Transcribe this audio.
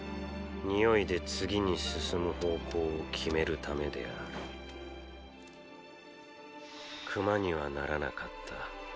「匂い」で次に進む方向を決めるためである熊にはならなかった。